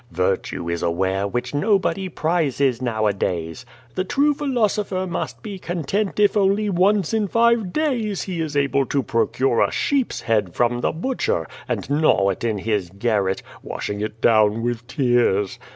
Virtue is a ware which nobody prizes nowadays. The true philosopher must be content if only once in five days he is able to procure a sheep's head from the butcher, and gnaw it in his garret, washing it down with tears.